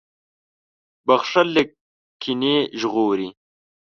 • بښل له کینې ژغوري.